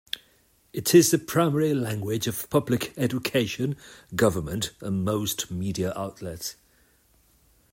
It is the primary language of public education, government and most media outlets.